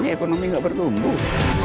ekonomi gak bertumbuh